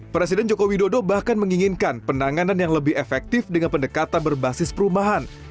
presiden joko widodo bahkan menginginkan penanganan yang lebih efektif dengan pendekatan berbasis perumahan